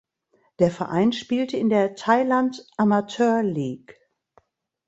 Der Verein spielte in der Thailand Amateur League.